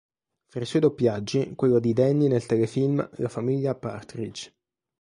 Fra i suoi primi doppiaggi quello di Danny nel telefilm "La famiglia Partridge".